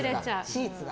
シーツが。